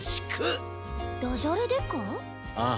ああ。